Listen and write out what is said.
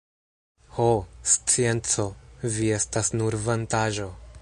Ho! scienco, vi estas nur vantaĵo!